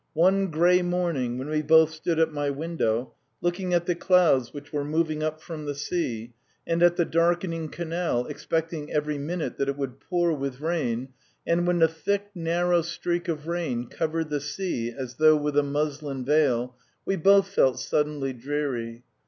One grey morning when we both stood at my window, looking at the clouds which were moving up from the sea, and at the darkening canal, expecting every minute that it would pour with rain, and when a thick, narrow streak of rain covered the sea as though with a muslin veil, we both felt suddenly dreary.